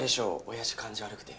親父感じ悪くて。